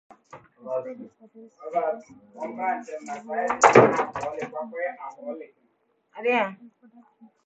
The study suggests stress plays a role in impacting the reproduction.